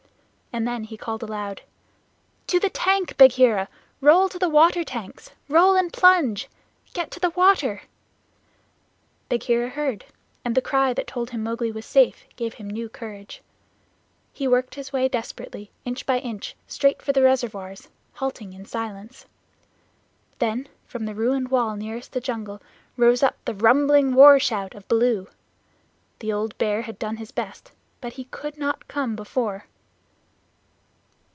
And then he called aloud: "To the tank, Bagheera. Roll to the water tanks. Roll and plunge! Get to the water!" Bagheera heard, and the cry that told him Mowgli was safe gave him new courage. He worked his way desperately, inch by inch, straight for the reservoirs, halting in silence. Then from the ruined wall nearest the jungle rose up the rumbling war shout of Baloo. The old Bear had done his best, but he could not come before.